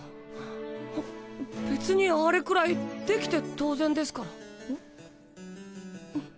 別にあれくらいできて当然ですから。